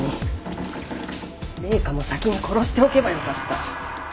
麗華も先に殺しておけばよかった。